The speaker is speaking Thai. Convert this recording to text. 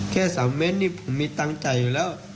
แค่๓เมตรนี่ผมมีตั้งใจอยู่แล้ว